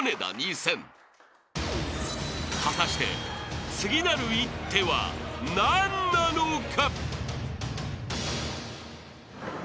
［果たして次なる一手は何なのか？］